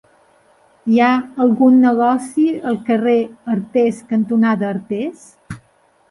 Hi ha algun negoci al carrer Artés cantonada Artés?